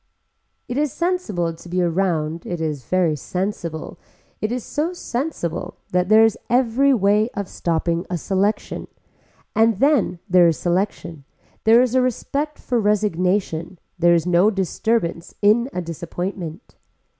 It is sensible to be around it is very sensible, it is so sensible that there is every way of stopping a selection, and then there is selection, there is a respect for resignation, there is no disturbance in a disappointment.